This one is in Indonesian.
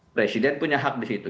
presiden punya hak di situ